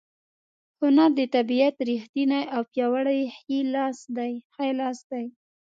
هنر د طبیعت ریښتینی او پیاوړی ښی لاس دی.